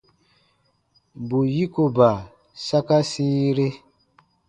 Bù yikoba saka sĩire.